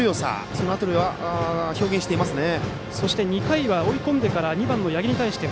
その辺りを表現していますね。